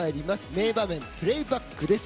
名場面プレーバックです。